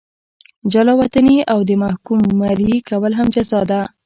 جلا وطني او د محکوم مریي کول هم جزا ده.